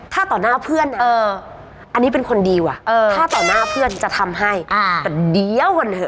ถ้าต่อหน้าเพื่อนเนี่ยอันนี้เป็นคนดีว่ะถ้าต่อหน้าเพื่อนจะทำให้แต่เดี๋ยวก่อนเถ